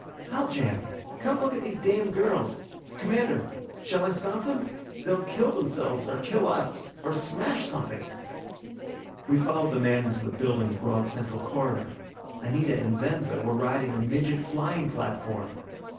"Haljan, come look at these damn girls! Commander shall I stop them? They'll kill themselves, or kill us or smash something!" We followed the man into the building's broad central corridor. Anita and Venza were riding a midget flying platform!